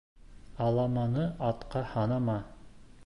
Аламаны атҡа һанама.